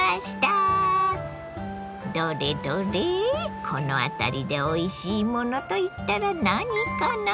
どれどれこの辺りでおいしいものといったら何かな？